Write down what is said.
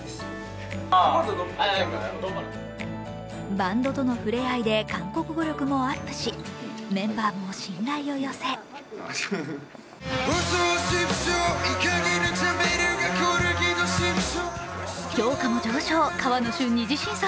バンドとの触れ合いで韓国語力もアップし、メンバーも信頼を寄せ評価も上昇、河野峻さん